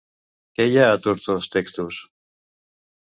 Què hi ha a tots dos textos?